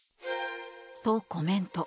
と、コメント。